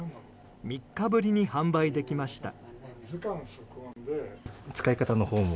３日ぶりに販売できました。